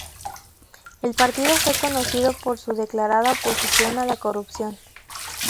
El partido fue conocido por su declarada oposición a la corrupción.